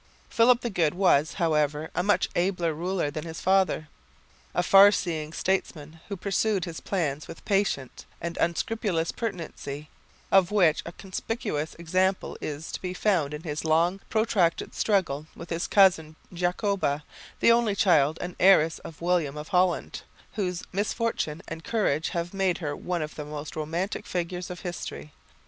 Philip the Good was, however, a much abler ruler than his father, a far seeing statesman, who pursued his plans with a patient and unscrupulous pertinacity, of which a conspicuous example is to be found in his long protracted struggle with his cousin Jacoba, the only child and heiress of William of Holland, whose misfortunes and courage have made her one of the most romantic figures of history.